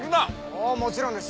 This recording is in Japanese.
おおもちろんです。